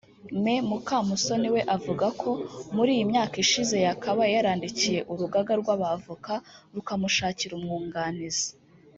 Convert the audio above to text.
Me Mukamusoni we avuga ko muri iyi myaka ishize yakabaye yarandikiye urugaga rw’abavoka rukamushakira umwunganizi